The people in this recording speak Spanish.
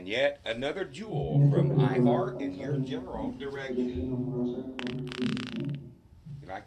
En esta película "Antoine" inicia su relación amorosa con "Christine".